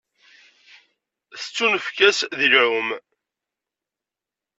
Tettunefk-as deg lεum.